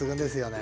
ね